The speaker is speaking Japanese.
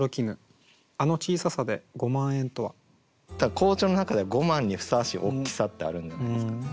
校長の中では五万にふさわしい大きさってあるんじゃないですかね。